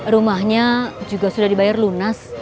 rumahnya juga sudah dibayar lunas